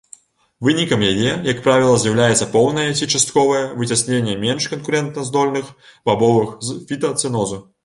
Вынікам яе, як правіла, з'яўляецца поўнае ці частковае выцясненне менш канкурэнтаздольных бабовых з фітацэнозу.